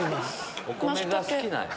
お米が好きなんや。